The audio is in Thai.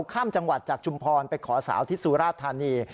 ข้ามจังหวัดจากชุมพรไปขอสาวที่สุราธานี